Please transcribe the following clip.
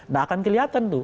nggak akan kelihatan tuh